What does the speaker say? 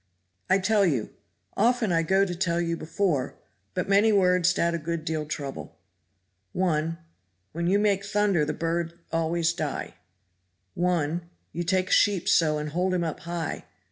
"I tell you. Often I go to tell you before, but many words dat a good deal trouble. One when you make thunder the bird always die. One you take a sheep so and hold him up high.